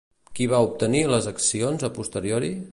Qui va obtenir les accions a posteriori?